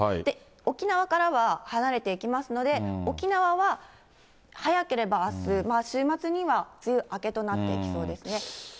沖縄からは離れていきますので、沖縄は早ければあす、週末には梅雨明けとなっていきそうですね。